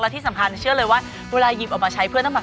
ที่สำคัญเชื่อเลยว่าเวลาหยิบออกมาใช้เพื่อต้องแบบ